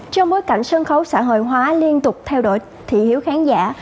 trong bối cảnh sân khấu xã hội hóa liên tục theo đuổi thị hiếu khán giả